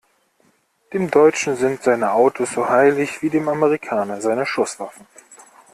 Dem Deutschen sind seine Autos so heilig wie dem Amerikaner seine Schusswaffen.